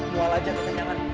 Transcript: mual aja gak kenyalan